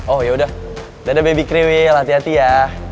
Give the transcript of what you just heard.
oh ya udah dadah baby krewil hati hati ya